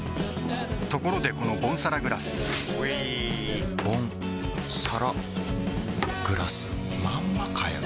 ところでこのボンサラグラスうぃボンサラグラスまんまかよ